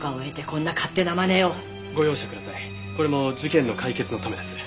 これも事件の解決のためです。